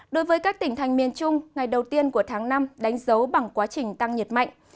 đối với các tỉnh thành miền trung ngày đầu tiên của tháng năm đánh dấu bằng quá trình tăng nhiệt mạnh